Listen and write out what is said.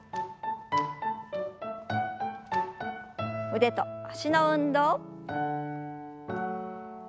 腕と脚の運動。